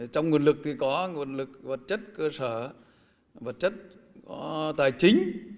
trong nguồn lực thì có nguồn lực vật chất cơ sở vật chất có tài chính